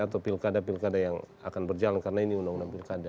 atau pilkada pilkada yang akan berjalan karena ini undang undang pilkada